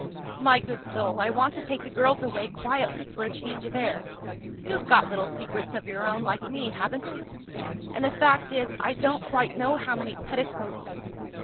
"My good soul, I want to take the girls away quietly for change of air you have got little secrets of your own, like me, haven't you? and the fact is, I don't quite know how many petticoats